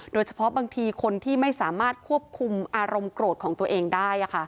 โดยเฉพาะบางทีคนที่ไม่สามารถควบคุมอารมณ์โกรธของตัวเองได้